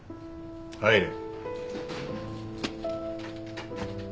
入れ。